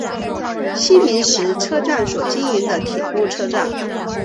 西明石车站所经营的铁路车站。